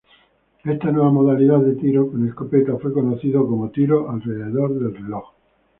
Esta nueva modalidad de tiro con escopeta fue conocido como "tiro alrededor del reloj".